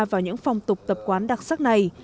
vào những phòng tục tập quán đặc sắc này